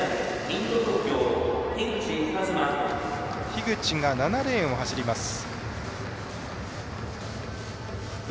樋口が７レーンを走ります。